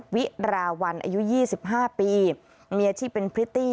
วิราวันอายุ๒๕ปีมีอาชีพเป็นพริตตี้